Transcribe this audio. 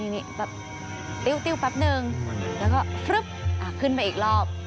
นี่แบบติ้วแป๊บนึงแล้วก็ฟึ๊บขึ้นไปอีกรอบ